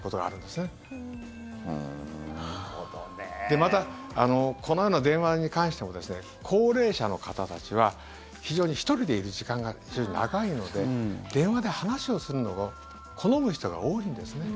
またこのような電話に関しても高齢者の方たちは１人でいる時間が非常に長いので電話で話をするのを好む人が多いんですね。